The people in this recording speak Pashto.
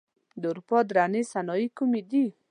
د اروپا درنې صنایع کومې دي؟